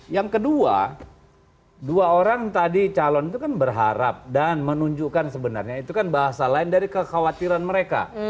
yang kedua dua orang tadi calon itu kan berharap dan menunjukkan sebenarnya itu kan bahasa lain dari kekhawatiran mereka